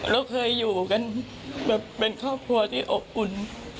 เราเคยอยู่กันแบบเป็นครอบครัวที่อบอุ่น